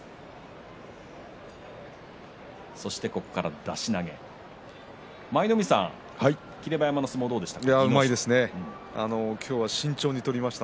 そして出し投げ舞の海さん、霧馬山の相撲どうでしたか？